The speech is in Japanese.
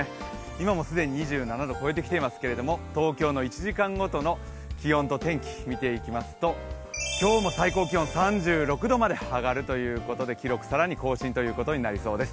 今も既に２７度超えてきていますけれども、東京の１時間ごとの気温と天気を見ていきますと今日も最高気温３６度まで上がるということで記録更に更新ということになりそうです。